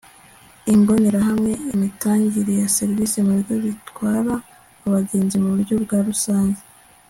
Imbonerahamwe imitangire ya serivisi mu bigo bitwara abagenzi mu buryo bwa rusange